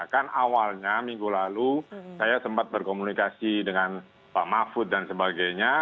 kan awalnya minggu lalu saya sempat berkomunikasi dengan pak mahfud dan sebagainya